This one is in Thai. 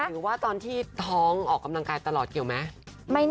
หรือว่าตอนที่ท้องออกกำลังกายตลอดเกี่ยวไหม